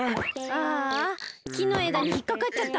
ああきのえだにひっかかっちゃった。